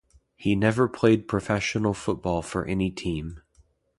He never played professional football for any team.